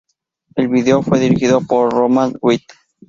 El video fue dirigido por Roman White.